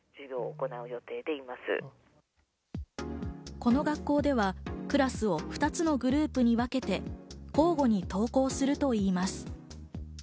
この学校ではクラスを２つのグループに分けて交互に登校させるといいます。